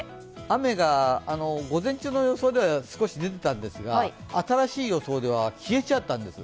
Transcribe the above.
雨が午前中の予想では少し出ていたんですが新しい予想では消えちゃったんです。